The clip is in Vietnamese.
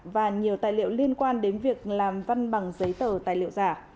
và nhiều tài liệu liên quan đến việc làm văn bằng giấy tờ tài liệu giả